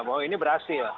bahwa ini berhasil